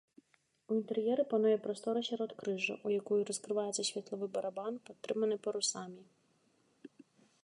У інтэр'еры пануе прастора сяродкрыжжа, у якую раскрываецца светлавы барабан, падтрыманы парусамі.